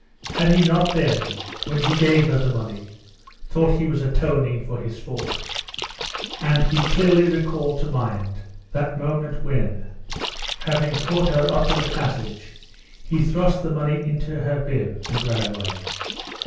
Had he not then, when he gave her the money, thought he was atoning for his fault? And he clearly recalled to mind that moment when, having caught her up in the passage, he thrust the money into her bib and ran away.